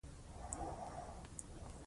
دغو قوانینو کابو تر یوې پېړۍ پورې دوام وکړ.